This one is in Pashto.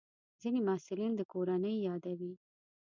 ځینې محصلین د کورنۍ یادوي.